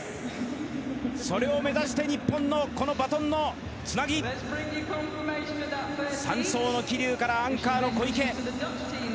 それを目指して日本のこのバトンのつなぎ、３走の桐生からアンカーの小池。